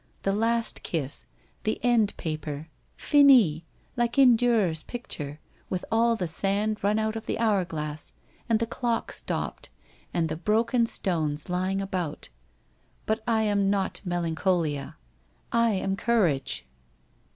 The last kiss, the end paper, Finis, like in Durer's picture, with all the sand run out of the hour glass and the clock stopped and, the broken stones lying about. But I am not Melancholia. I am Courage.'